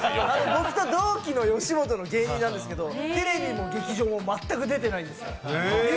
僕と同期の吉本の芸人なんですけど、テレビも劇場も全く出てないんです。